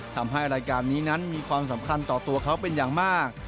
ทำให้รายการนี้นั้นมีความสำคัญต่อตัวเขาเป็นอย่างมาก